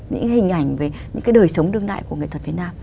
những hình ảnh về những cái đời sống đương đại của nghệ thuật việt nam